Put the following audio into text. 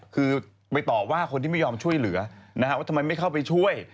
คือไปต่อว่าคนที่ไม่ยอมช่วยเหลือนะฮะว่าทำไมไม่เข้าไปช่วย